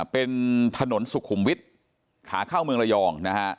เป็นถนนสุขุมวิทย์ขาเข้าเมืองระยองนะฮะ